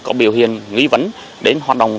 có biểu hiện nghi vấn đến hoạt động